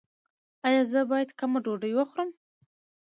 ایا زه باید کمه ډوډۍ وخورم؟